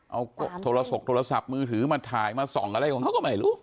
เอาโทรศัพท์มือถือมาถ่ายมาส่องอะไรของเขาก็ไม่รู้